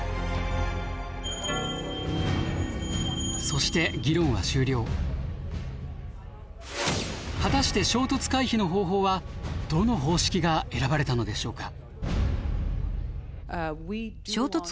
そして果たして衝突回避の方法はどの方式が選ばれたのでしょうか？